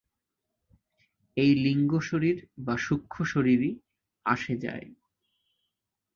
এই লিঙ্গশরীর বা সূক্ষ্ম-শরীরই আসে যায়।